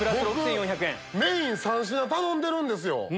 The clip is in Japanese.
僕メイン３品頼んでるんですよ。